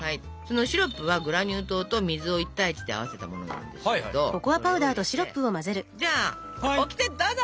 シロップはグラニュー糖と水を１対１で合わせたものなんですけどそれを入れてじゃあオキテどうぞ。